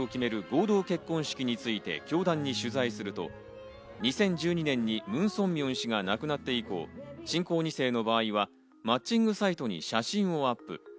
合同結婚式について、教団に取材すると、２０１２年にムン・ソンミョン氏が亡くなって以降、信仰二世の場合はマッチングサイトに写真をアップ。